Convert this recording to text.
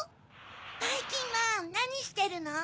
ばいきんまんなにしてるの？